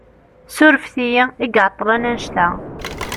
Surfet-iyi i iεeṭṭlen annect-a.